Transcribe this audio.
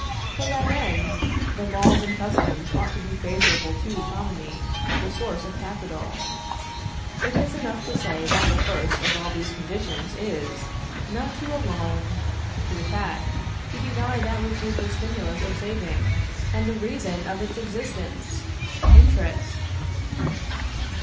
For that end, the laws and customs ought to be favorable to economy, the source of capital. It is enough to say, that the first of all these conditions is, not to alarm, to attack, to deny that which is the stimulus of saving and the reason of its existence interest.